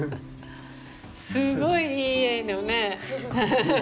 すごいいい家よね。